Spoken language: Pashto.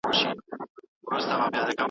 د چا يارۍ ته مې نيت ندی